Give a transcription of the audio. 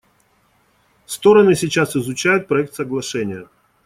Стороны сейчас изучают проект соглашения.